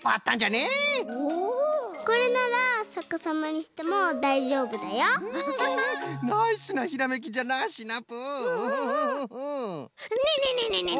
ねえねえねえねえねえ。